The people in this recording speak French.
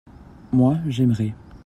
moi, j'aimerai.